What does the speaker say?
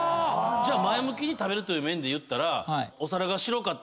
じゃあ前向きに食べるという面でいったら。